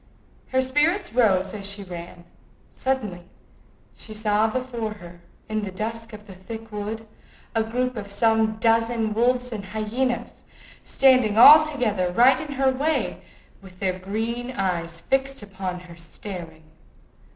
Her spirits rose as she ran. Suddenly she saw before her, in the dusk of the thick wood, a group of some dozen wolves and hyenas, standing all together right in her way, with their green eyes fixed upon her staring.